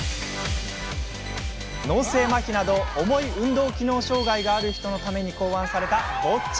脳性まひなど重い運動機能障がいがある人のために考案されたボッチャ。